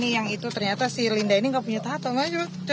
sampai jumpa di video selanjutnya